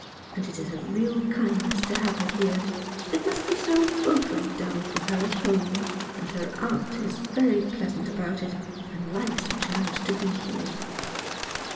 And it is a real kindness to have her here. It must be so wofully dull for her at home ; and her aunt is very pleasant about it, and likes the child to be here."